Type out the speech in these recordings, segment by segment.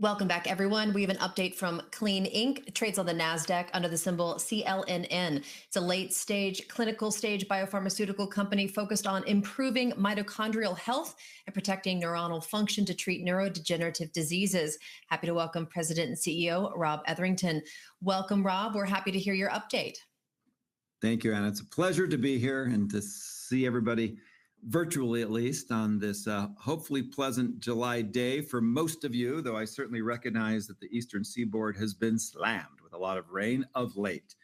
Welcome back, everyone. We have an update from Clene Inc. Trades on the NASDAQ under the symbol CLNN. It's a late-stage, clinical-stage biopharmaceutical company focused on improving mitochondrial health and protecting neuronal function to treat neurodegenerative diseases. Happy to welcome President and CEO Rob Etherington. Welcome, Rob. We're happy to hear your update. Thank you, Anna. It's a pleasure to be here and to see everybody, virtually at least, on this hopefully pleasant July day for most of you, though I certainly recognize that the Eastern Seaboard has been slammed with a lot of rain of late.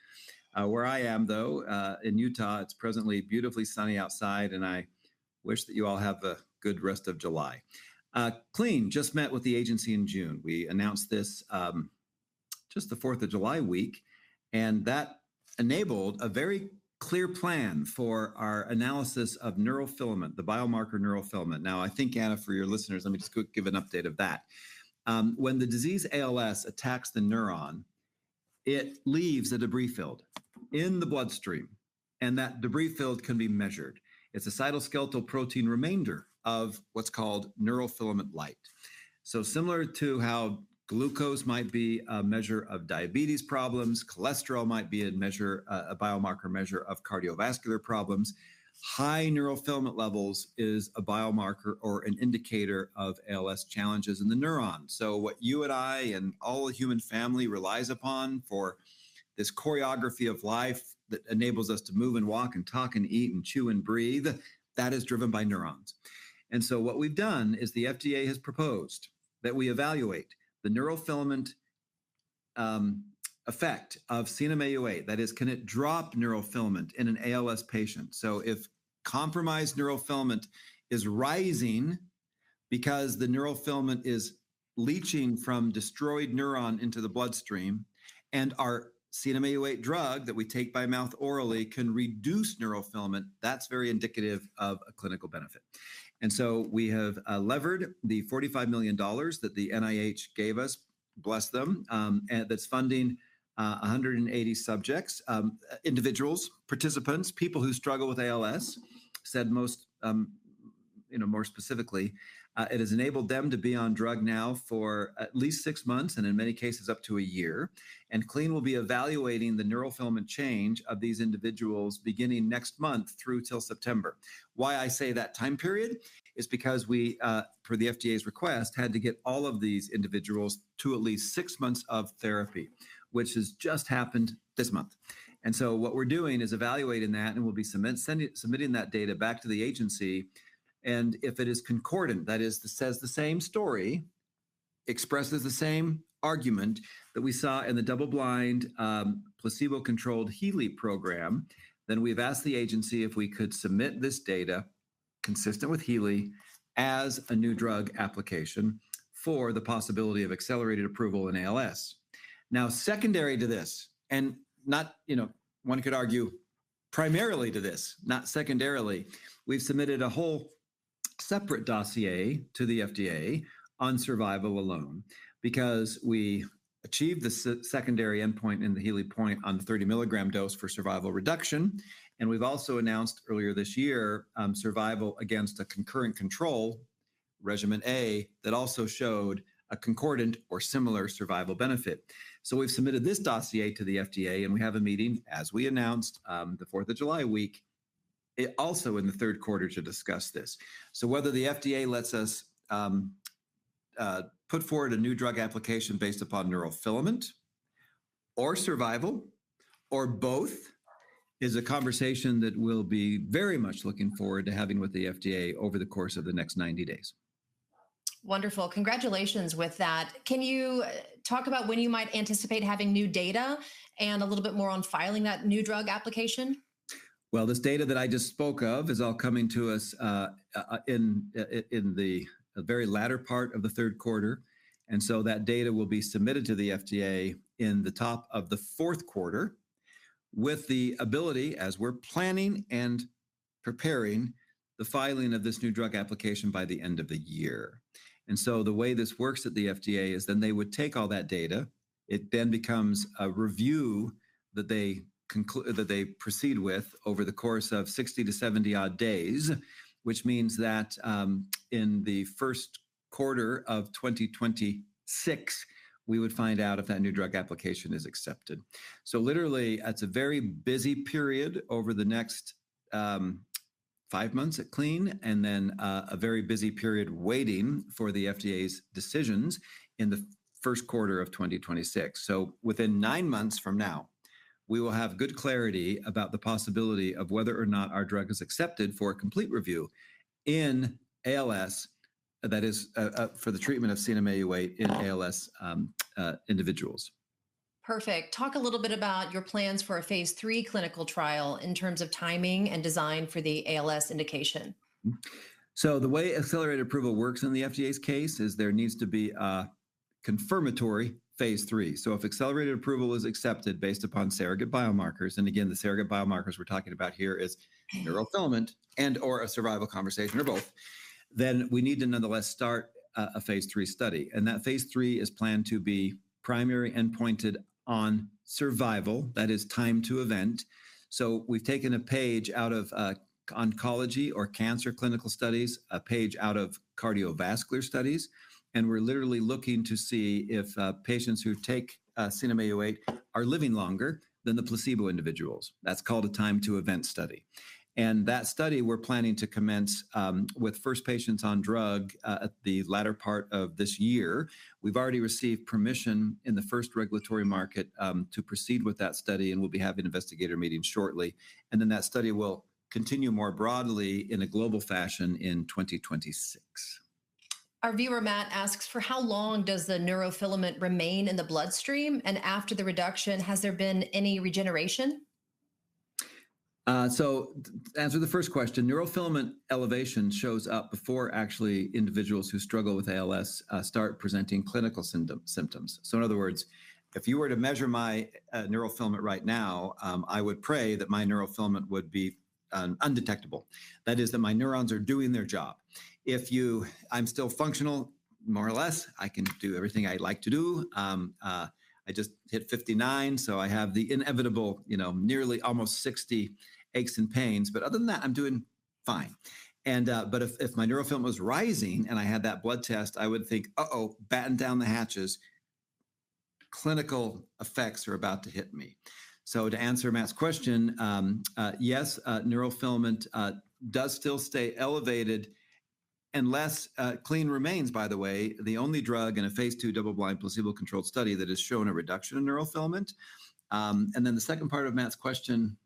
Where I am, though, in Utah, it's presently beautifully sunny outside, and I wish that you all have a good rest of July. Clene just met with the agency in June. We announced this just the Fourth of July week, and that enabled a very clear plan for our analysis of neurofilament, the biomarker neurofilament. Now, I think, Anna, for your listeners, let me just give an update of that. When the disease ALS attacks the neuron, it leaves a debris field in the bloodstream, and that debris field can be measured. It's a cytoskeletal protein remainder of what's called neurofilament light. Similar to how glucose might be a measure of diabetes problems, cholesterol might be a biomarker measure of cardiovascular problems, high neurofilament levels are a biomarker or an indicator of ALS challenges in the neuron. What you and I and all the human family rely upon for this choreography of life that enables us to move and walk and talk and eat and chew and breathe, that is driven by neurons. What we've done is the FDA has proposed that we evaluate the neurofilament effect of CNM-Au8. That is, can it drop neurofilament in an ALS patient? If compromised neurofilament is rising because the neurofilament is leaching from destroyed neuron into the bloodstream, and our CNM-Au8 drug that we take by mouth orally can reduce neurofilament, that's very indicative of a clinical benefit. We have levered the $45 million that the NIH gave us, bless them, that's funding 180 subjects, individuals, participants, people who struggle with ALS, said most, you know, more specifically. It has enabled them to be on drug now for at least six months and in many cases up to a year. Clene will be evaluating the neurofilament change of these individuals beginning next month through till September. I say that time period because we, per the FDA's request, had to get all of these individuals to at least six months of therapy, which has just happened this month. What we're doing is evaluating that, and we'll be submitting that data back to the agency. If it is concordant, that is, says the same story, expresses the same argument that we saw in the double-blind, placebo-controlled HEALEY program, then we've asked the agency if we could submit this data consistent with HEALEY as a new drug application for the possibility of accelerated approval in ALS. Secondary to this, and not, you know, one could argue primarily to this, not secondarily, we've submitted a whole separate dossier to the FDA on survival alone because we achieved the secondary endpoint in the HEALEY point on the 30 mg dose for survival reduction. We've also announced earlier this year survival against a concurrent control, regimen A, that also showed a concordant or similar survival benefit. We've submitted this dossier to the FDA, and we have a meeting, as we announced, the Fourth of July week, also in the third quarter to discuss this. Whether the FDA lets us put forward a new drug application based upon neurofilament or survival or both is a conversation that we'll be very much looking forward to having with the FDA over the course of the next 90 days. Wonderful. Congratulations with that. Can you talk about when you might anticipate having new data, and a little bit more on filing that new drug application? This data that I just spoke of is all coming to us in the very latter part of the third quarter. That data will be submitted to the FDA in the top of the fourth quarter with the ability, as we're planning and preparing, the filing of this new drug application by the end of the year. The way this works at the FDA is they would take all that data. It then becomes a review that they proceed with over the course of 60-70 odd days, which means that in the first quarter of 2026, we would find out if that new drug application is accepted. It is a very busy period over the next five months at Clene and then a very busy period waiting for the FDA's decisions in the first quarter of 2026. Within nine months from now, we will have good clarity about the possibility of whether or not our drug is accepted for a complete review in ALS, that is, for the treatment of CNM-Au8 in ALS individuals. Perfect. Talk a little bit about your plans for a phase 3 trial in terms of timing and design for the ALS indication. The way accelerated approval works in the FDA's case is there needs to be a confirmatory phase III. If accelerated approval is accepted based upon surrogate biomarkers, and again, the surrogate biomarkers we're talking about here is neurofilament and/or a survival conversation or both, then we need to nonetheless start a phase III study. That phase III is planned to be primary endpointed on survival, that is, time to event. We've taken a page out of oncology or cancer clinical studies, a page out of cardiovascular studies, and we're literally looking to see if patients who take CNM-Au8 are living longer than the placebo individuals. That's called a time-to-event study. That study we're planning to commence with first patients on drug at the latter part of this year. We've already received permission in the first regulatory market to proceed with that study, and we'll be having an investigator meeting shortly. That study will continue more broadly in a global fashion in 2026. Our viewer, Matt, asks for how long does the neurofilament remain in the bloodstream, and after the reduction, has there been any regeneration? To answer the first question, neurofilament elevation shows up before individuals who struggle with ALS start presenting clinical symptoms. In other words, if you were to measure my neurofilament right now, I would pray that my neurofilament would be undetectable. That is, that my neurons are doing their job. If I'm still functional, more or less, I can do everything I'd like to do. I just hit 59, so I have the inevitable, you know, nearly almost 60 aches and pains. Other than that, I'm doing fine. If my neurofilament was rising and I had that blood test, I would think, uh-oh, batten down the hatches. Clinical effects are about to hit me. To answer Matt's question, yes, neurofilament does still stay elevated unless Clene remains, by the way, the only drug in a phase II double-blind, placebo-controlled study that has shown a reduction in neurofilament. The second part of Matt's question?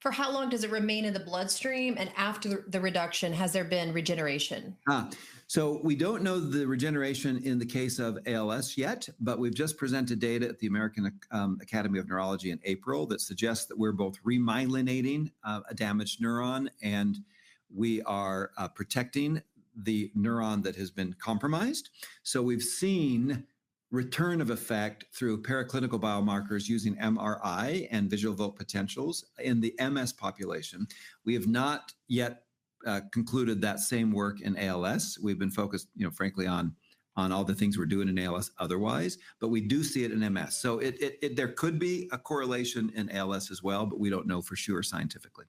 For how long does it remain in the bloodstream? After the reduction, has there been regeneration? We don't know the regeneration in the case of amyotrophic lateral sclerosis (ALS) yet, but we've just presented data at the American Academy of Neurology in April that suggests that we're both remyelinating a damaged neuron and we are protecting the neuron that has been compromised. We've seen return of effect through paraclinical biomarkers using MRI and visual evoked potentials in the MS population. We have not yet concluded that same work in ALS. We've been focused, frankly, on all the things we're doing in ALS otherwise, but we do see it in MS. There could be a correlation in ALS as well, but we don't know for sure scientifically.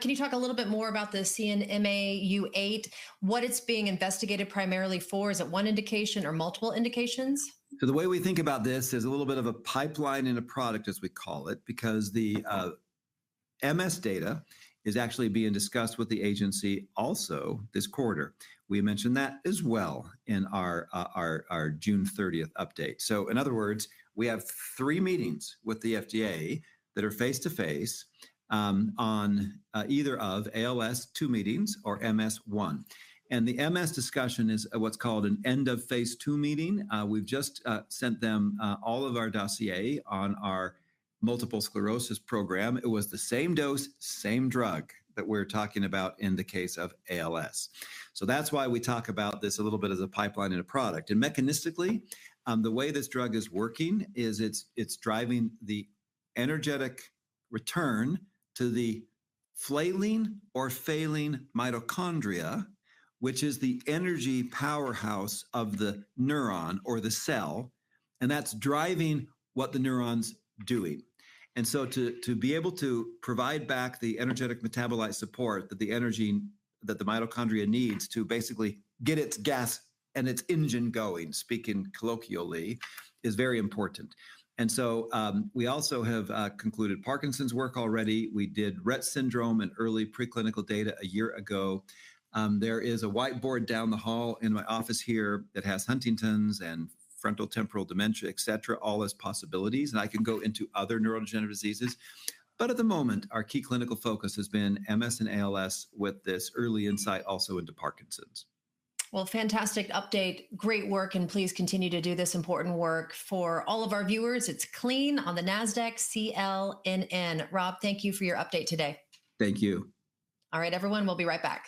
Can you talk a little bit more about the CNM-Au8, what it's being investigated primarily for? Is it one indication or multiple indications? The way we think about this is a little bit of a pipeline-in-a-product, as we call it, because the MS data is actually being discussed with the agency also this quarter. We mentioned that as well in our June 30, 2023 update. In other words, we have three meetings with the FDA that are face-to-face on either ALS, two meetings, or MS, one. The MS discussion is what's called an end of phase II meeting. We've just sent them all of our dossier on our multiple sclerosis program. It was the same dose, same drug that we're talking about in the case of ALS. That's why we talk about this a little bit as a pipeline-in-a-product. Mechanistically, the way this drug is working is it's driving the energetic return to the flailing or failing mitochondria, which is the energy powerhouse of the neuron or the cell, and that's driving what the neuron's doing. To be able to provide back the energetic metabolite support that the mitochondria needs to basically get its gas and its engine going, speaking colloquially, is very important. We also have concluded Parkinson's work already. We did Rett syndrome and early preclinical data a year ago. There is a whiteboard down the hall in my office here that has Huntington’s and frontotemporal dementia, et cetera, all as possibilities. I can go into other neurodegenerative diseases. At the moment, our key clinical focus has been MS and ALS with this early insight also into Parkinson's. Fantastic update. Great work. Please continue to do this important work. For all of our viewers, it's Clene on the NASDAQ CLNN. Rob, thank you for your update today. Thank you. All right, everyone. We'll be right back.